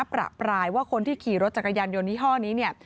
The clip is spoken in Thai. ประปรายว่าคนที่ขี่รถจักรยานยนต์ยี่ห้อนี้เนี่ย